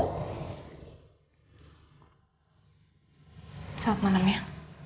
selamat malam ya